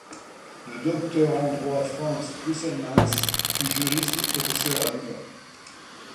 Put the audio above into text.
Le docteur en droit Frans Brusselmans fut juriste et professeur à Louvain.